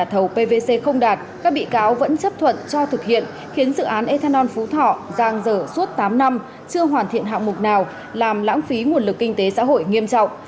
nhà thầu pvc không đạt các bị cáo vẫn chấp thuận cho thực hiện khiến dự án ethanol phú thọ giang dở suốt tám năm chưa hoàn thiện hạng mục nào làm lãng phí nguồn lực kinh tế xã hội nghiêm trọng